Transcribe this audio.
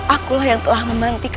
akulah yang telah memantik